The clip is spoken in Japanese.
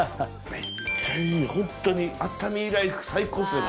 めっちゃいいホントに熱海ライフ最高ですね